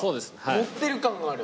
持ってる感がある。